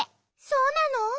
そうなの？